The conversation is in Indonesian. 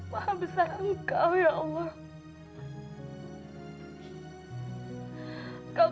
wah besar engkau ya allah